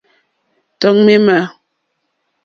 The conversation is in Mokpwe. Tɔ̀ ŋměmà.